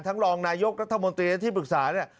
ทั้งรองนายกรัฐมนตรีและที่ปรึกษา